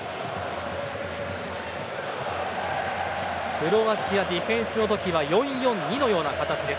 クロアチアディフェンスの時は４−４−２のような形です。